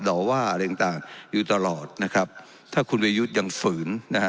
อะไรอย่างเงี้ยต่างอยู่ตลอดนะครับถ้าคุณไปยุดยังฝืนนะฮะ